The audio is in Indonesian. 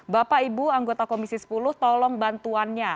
bapak ibu anggota komisi sepuluh tolong bantuannya